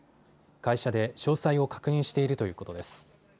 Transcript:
会社で詳細を確認しているということです。